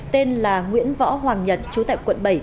tên là nguyễn võ hoàng nhật trú tại quận bảy